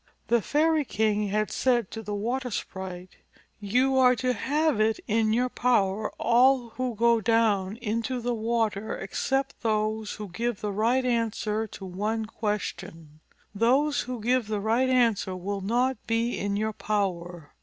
The Fairy King had said to the water sprite, "You are to have in your power all who go down into the water except those who give the 64 PRINCES AND THE WATER SPRITE right answer to one question. Those who give the right answer will not be in your power.